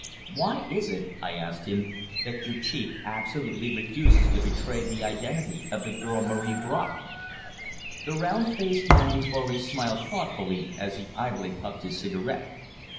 "Why is it," I asked him, "that your chief absolutely refuses to betray the identity of the girl Marie Bracq?" The round faced man before me smiled thoughtfully as he idly puffed his cigarette.